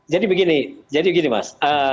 jadi begini jadi begini mas